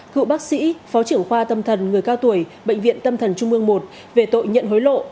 cựu bác sĩ phó trưởng khoa tâm thần người cao tuổi bệnh viện tâm thần trung mương một về tội nhận hối lộ